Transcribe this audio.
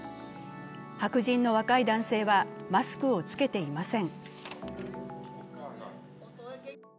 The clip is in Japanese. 白人の若い男性はマスクを着けていません。